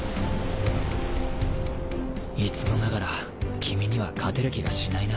い弔發覆君には勝てる気がしないな。